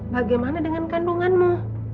bagaimana dengan kandunganmu